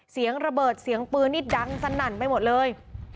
เสียงระเบิดเสียงปืนนี่ดังสนั่นไปหมดเลย